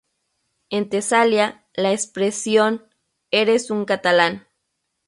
En Tesalia la expresión "¡Eres un catalán!